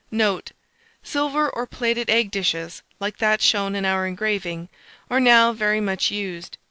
Note. Silver or plated egg dishes, like that shown in our engraving, are now very much used.